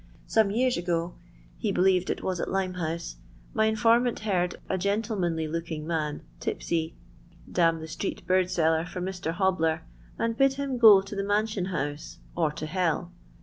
Some years ago, he believed it was at Limehouse, my infonnant heard a gen tlemanly looking man, tipsy, d — n the street bird seller for Mr. Ifobbler, and bid him go to the Mansion House, or to h — I.